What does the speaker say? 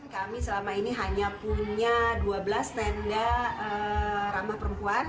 kami selama ini hanya punya dua belas tenda ramah perempuan